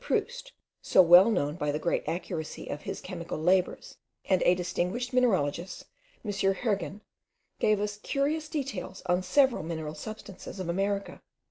Proust, so well known by the great accuracy of his chemical labours, and a distinguished mineralogist, M. Hergen, gave us curious details on several mineral substances of America.